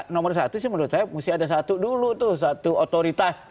nomor satu sih menurut saya mesti ada satu dulu tuh satu otoritas